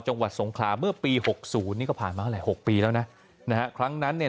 จังหวัดสงครามเมื่อปี๖๐นี่ก็ผ่านมาก็แหละ๖ปีแล้วนะครับครั้งนั้นเนี่ย